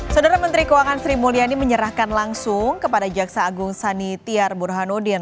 saudara menteri keuangan sri mulyani menyerahkan langsung kepada jaksa agung sanitiar burhanuddin